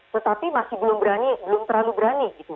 tetapi masih belum berani belum terlalu berani gitu